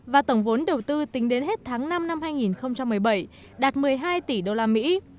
và tổng vốn đầu tư tính đến hết tháng năm năm hai nghìn một mươi bảy đạt một mươi hai tỷ usd